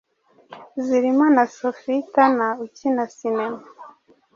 zirimo na Sophie Turner ukina cinema